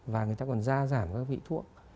và người ta còn ra giảm các vị thuốc